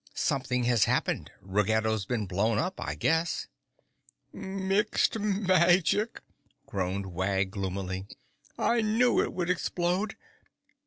"Something has happened. Ruggedo's been blown up, I guess." "Mixed Magic!" groaned Wag gloomily. "I knew it would explode.